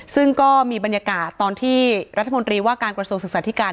ซึ่งก็มีบรรยากาศตอนที่รัฐมนตรีว่าการกระทรวงศึกษาธิการ